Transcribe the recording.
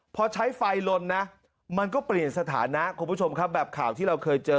พอใช้ไฟลนนะมันก็เปลี่ยนสถานะคุณผู้ชมครับแบบข่าวที่เราเคยเจอ